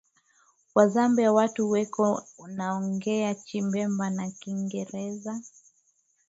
Wa zambia watu weko naongea chibemba na kingereza